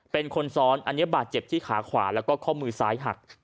เป็นคนซ้อนอันนี้บาดเจ็บที่ขาขวาแล้วก็ข้อมือซ้ายหัก